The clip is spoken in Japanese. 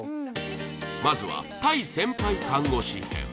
まずは対先輩看護師編